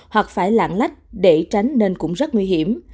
hoặc phải lạng lách để tránh nên cũng rất nguy hiểm